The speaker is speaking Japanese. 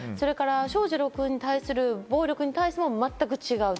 翔士郎君に対する暴力に対しても全く違う。